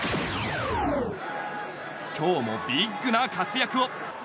今日もＢＩＧな活躍を。